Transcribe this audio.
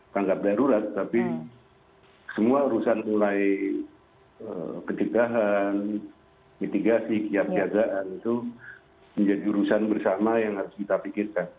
kanak darurat tapi semua urusan mulai ketidakpahan mitigasi kiab jagaan itu menjadi urusan bersama yang harus kita pikirkan